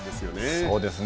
そうですね。